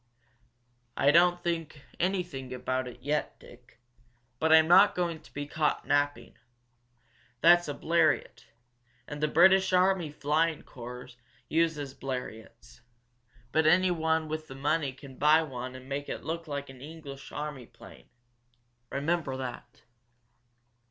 "I don't think anything about it yet, Dick. But I'm not going to be caught napping. That's a Bleriot and the British army flying corps uses Bleriots. But anyone with the money can buy one and make it look like an English army plane. Remember that."